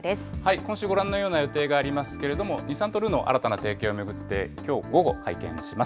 今週、ご覧のような予定、ありますけれども、日産とルノー、新たな提携を巡って、きょう午後、会見します。